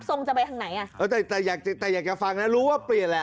ทรงจะไปทางไหนแต่อยากจะฟังนะรู้ว่าเปลี่ยนแหละ